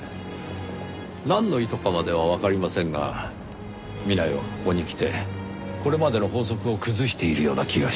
なんの意図かまではわかりませんが南井はここにきてこれまでの法則を崩しているような気がします。